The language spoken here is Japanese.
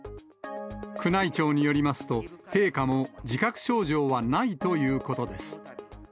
宮内庁によりますと、陛下も自覚症状はないということです。